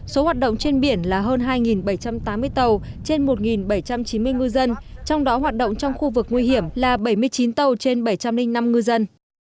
số hoạt động trên biển là hơn hai bảy trăm tám mươi tàu trên một bảy trăm chín mươi ngư dân trong đó hoạt động trong khu vực nguy hiểm là bảy mươi chín tàu trên bảy trăm linh năm ngư dân